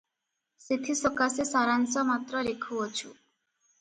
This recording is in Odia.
ସେଥିସକାଶେ ସାରାଂଶ ମାତ୍ର ଲେଖୁଅଛୁ